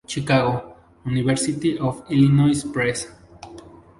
Chicago: University of Illinois Press.